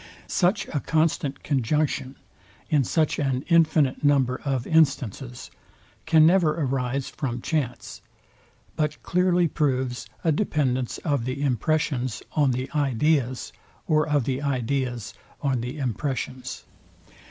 Such a constant conjunction, in such an infinite number of instances, can never arise from chance; but clearly proves a dependence of the impressions on the ideas, or of the ideas on the impressions.